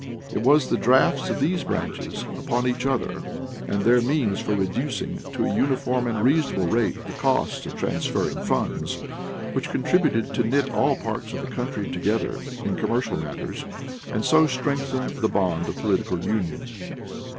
It was the drafts of these branches upon each other, and their means for reducing to a uniform and reasonable rate the cost of transferring funds, which contributed to knit all parts of the country together in commercial matters and so strengthened the bond of political union.